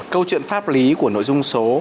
câu chuyện pháp lý của nội dung số